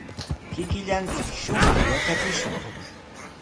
Kikillanchik shumaq yatrakushun.